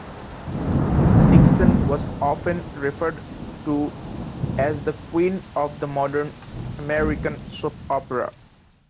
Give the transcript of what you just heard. Nixon was often referred to as the "Queen" of the modern American soap opera.